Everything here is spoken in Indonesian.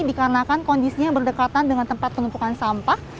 dikarenakan kondisinya berdekatan dengan tempat penumpukan sampah